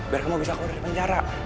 biar kamu bisa keluar dari penjara